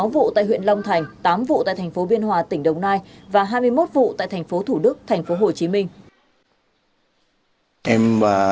một mươi sáu vụ tại huyện long thành tám vụ tại tp biên hòa tỉnh đồng nai và hai mươi một vụ tại tp thủ đức tp hcm